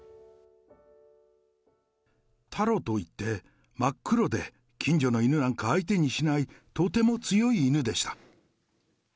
タロといって、真っ黒で、近所の犬なんか、相手にしない、とても強い犬でした。